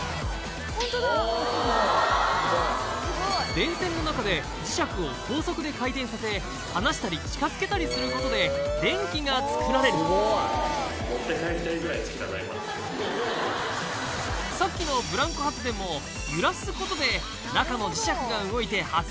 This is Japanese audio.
電線の中で磁石を高速で回転させ離したり近づけたりすることで電気が作られるさっきのブランコ発電も面白い。